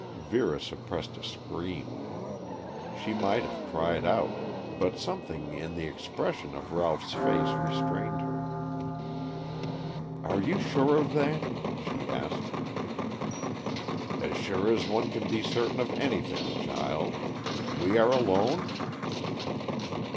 Vera suppressed a scream. She might have cried out, but something in the expression of Ralph's face restrained her. "Are you sure of that?" she asked. "As sure as one can be certain of anything, child. We are alone?"